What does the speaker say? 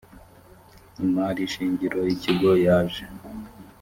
imari shingiro y ikigo yaje